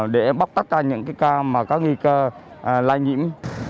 để bóc tách ra những cái ca mà có nghi cơ lai nhiễm